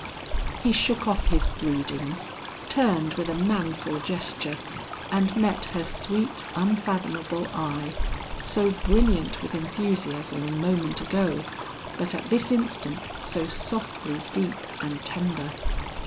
He shook off his broodings, turned with a manful gesture, and met her sweet unfathomable eye, so brilliant with enthusiasm a moment ago, but at this instant so softly deep and tender.